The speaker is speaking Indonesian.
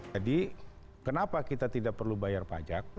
jadi kenapa kita tidak perlu bayar pajak